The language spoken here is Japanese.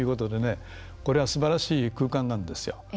これはすばらしい空間なんですよ。